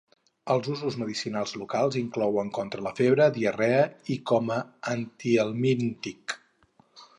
Els usos medicinals locals inclouen contra la febre, diarrea i com a antihelmíntic.